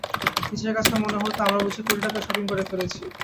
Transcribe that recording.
নিজের কাছেও মনে হতো, আমরা বুঝি কোটি টাকার শপিং করে ফেলেছি।